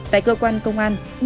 tại cơ quan công an